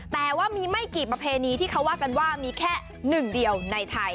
แต่ว่ามีไม่กี่ประเพณีที่เขาว่ากันว่ามีแค่หนึ่งเดียวในไทย